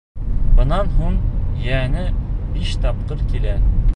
Бынан һуң йәнә биш тапҡыр килә.